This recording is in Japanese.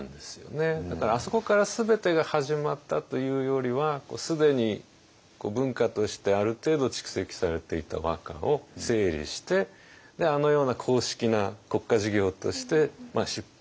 だからあそこから全てが始まったというよりは既に文化としてある程度蓄積されていた和歌を整理してあのような公式な国家事業として出版